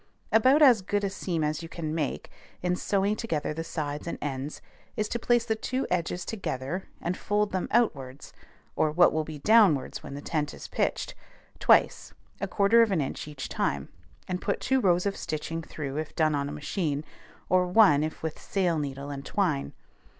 About as good a seam as you can make, in sewing together the sides and ends, is to place the two edges together, and fold them outwards (or what will be downwards when the tent is pitched) twice, a quarter of an inch each time, and put two rows of stitching through if done on a machine, or one if with sail needle and twine.